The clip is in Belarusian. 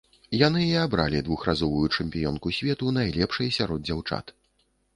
Яны і абралі двухразовую чэмпіёнку свету найлепшай сярод дзяўчат.